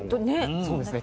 そうですね。